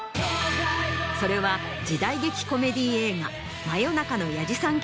それは時代劇コメディー映画『真夜中の弥次さん